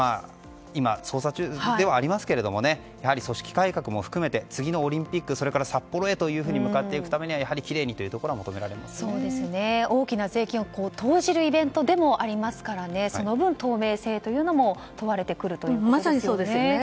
今、捜査中ではありますが組織改革も含めて次のオリンピック、札幌へと向かっていくためにはやはりきれいにというところは大きな税金を投じるイベントでもあるのでその分、透明性もまさにそうですね。